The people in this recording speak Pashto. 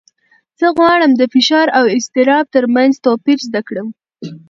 زه غواړم د فشار او اضطراب تر منځ توپیر زده کړم.